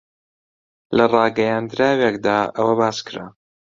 لە ڕاگەیەندراوێکدا ئەوە باس کرا